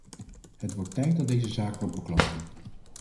Het wordt tijd dat deze zaak wordt beklonken.